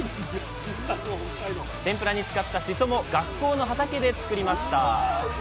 天ぷらに使ったシソも学校の畑で作りました。